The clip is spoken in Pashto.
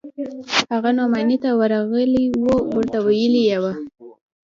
هغه نعماني ته ورغلى و ورته ويلي يې و.